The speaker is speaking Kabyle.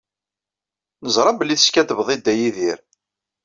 Neẓra belli teskaddbeḍ i Dda Yidir.